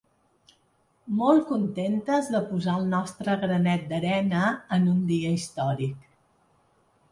Molt contentes de posar el nostre granet d'arena en un dia històric.